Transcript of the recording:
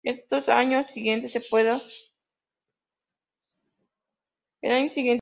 En años siguientes se pudo apreciar a varias celebridades usando las peculiares gafas.